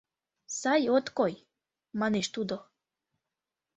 — Сай от кой, — манеш тудо.